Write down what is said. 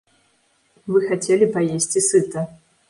Вы хацелі паесці сыта.